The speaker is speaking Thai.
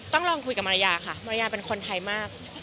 ต้องลองคุยกับมารยาค่ะมารยาเป็นคนไทยมาก